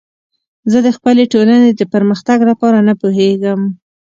زه د خپلې ټولنې د پرمختګ لپاره نه پوهیږم.